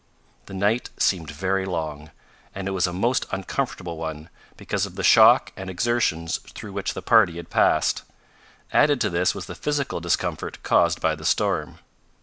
The night seemed very long, and it was a most uncomfortable one, because of the shock and exertions through which the party had passed. Added to this was the physical discomfort caused by the storm.